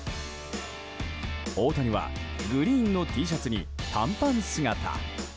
大谷はグリーンのＴシャツに短パン姿。